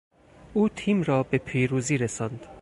او تیم را به پیروزی رساند.